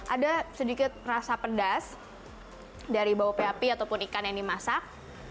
ada sedikit rasa pedas dari bau peapi ataupun ikan yang dimasak